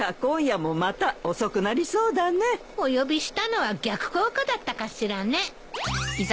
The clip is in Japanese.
お呼びしたのは逆効果だったかしらね。